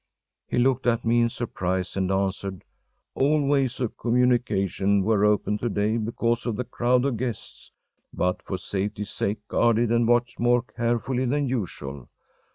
He looked at me in surprise, and answered: “All ways of communication were opened today because of the crowd of guests, but for safety’s sake guarded and watched more carefully than usual.